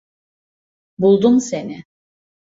Buldum seni.